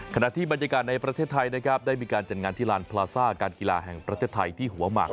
ขณะที่บรรยากาศในประเทศไทยนะครับได้มีการจัดงานที่ลานพลาซ่าการกีฬาแห่งประเทศไทยที่หัวหมาก